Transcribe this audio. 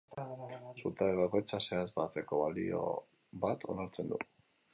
Zutabe bakoitzak zehatz bateko balio bat onartzen du.